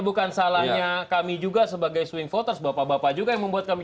boleh kampanye terus silahkan